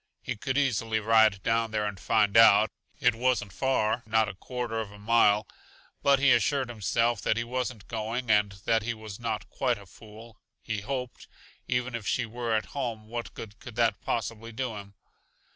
He could easily ride down there and find out. It wasn't far; not a quarter of a mile, but he assured himself that he wasn't going, and that he was not quite a fool, he hoped Even if she were at home, what good could that possibly do him?